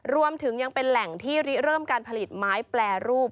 รวมถึงยังเป็นแหล่งที่ริเริ่มการผลิตไม้แปรรูป